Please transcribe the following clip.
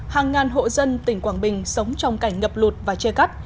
hàng ngàn hộ dân tỉnh quảng bình sống trong cảnh ngập lụt và che cắt